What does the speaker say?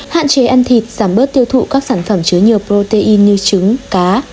hạn chế ăn thịt giảm bớt tiêu thụ các sản phẩm chứa nhiều protein như trứng cá